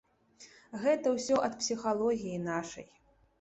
Гэта ўсё ад псіхалогіі нашай.